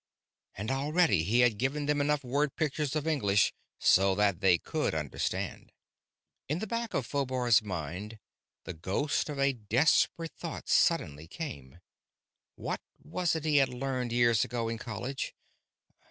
And already he had given them enough word pictures of English so that they could understand.... In the back of Phobar's mind the ghost of a desperate thought suddenly came. What was it he had learned years ago in college?